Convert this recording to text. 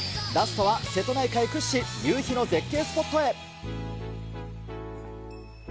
ラストは瀬戸内海屈指、夕日の絶景スポットへ。